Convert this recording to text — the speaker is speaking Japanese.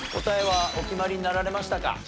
答えはお決まりになられましたか？